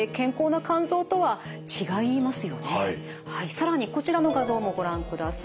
更にこちらの画像もご覧ください。